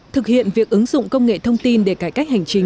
thực hiện việc ứng dụng công nghệ thông tin để cải cách hành chính